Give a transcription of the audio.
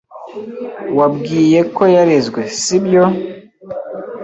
Wabwiye ko yarezwe, sibyo?